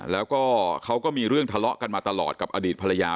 แล้วก็เขาก็มีเรื่องทะเลาะกันมาตลอดกับอดีตภรรยา